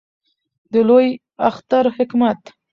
د لوی اختر حکمت